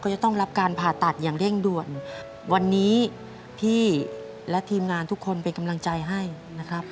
จะต้องรับการผ่าตัดอย่างเร่งด่วนวันนี้พี่และทีมงานทุกคนเป็นกำลังใจให้นะครับ